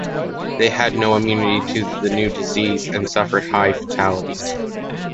They had no immunity to the new disease and suffered high fatalities.